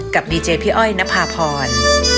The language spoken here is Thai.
กับดีเจพี่อ้อยณพาภร